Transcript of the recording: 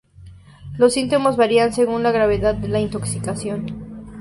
Los síntomas varían según la gravedad de la intoxicación.